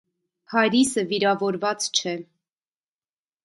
Հարիսը վիրավորված չէ։